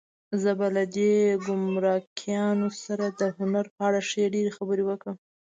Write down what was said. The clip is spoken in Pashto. زه به له دې ګمرکیانو سره د هنر په اړه ښې ډېرې خبرې وکړم.